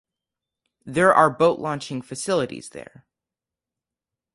There are boat launching facilities there.